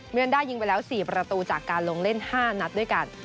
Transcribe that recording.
เวียนด้ายิงไปแล้ว๔ประตูจากการลงเล่น๕นัดด้วยกัน